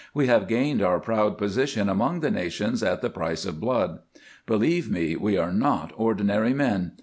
We have gained our proud position among the nations at the price of blood. Believe me, we are not ordinary men.